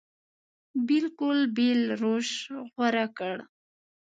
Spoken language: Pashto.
بلکل بېل روش غوره کړ.